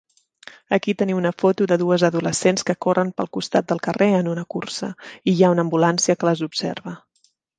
Aquí teniu una foto de dues adolescents que corren pel costat del carrer en una cursa i hi ha una ambulància que les observa.